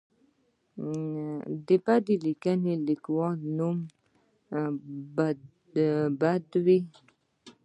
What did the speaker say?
بدې لیکنې د لیکوال نوم بدوي.